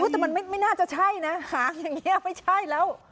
แต่มันไม่น่าจะใช่นะหางอย่างนี้ไม่ใช่แล้ว